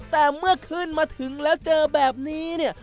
แต่เมื่อขึ้นมาถึงแล้วเจอแบบนี้เนี่ย